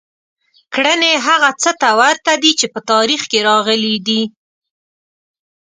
کړنې هغه څه ته ورته دي چې په تاریخ کې راغلي دي.